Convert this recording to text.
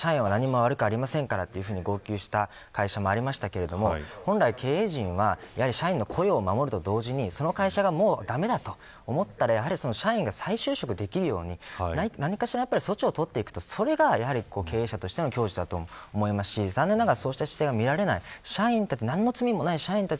かつて、社員は何も悪くないと言及した会社もありましたが経営陣は社員の雇用を守ると同時にこの会社はもう駄目だと思ったら社員が再就職できるように何かしら措置を取っていくとそれが経営者としてのきょう持だと思いますし残念ながらそういう姿勢が見られない。